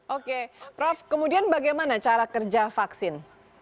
oke prof kemudian bagaimana cara kerja vaksin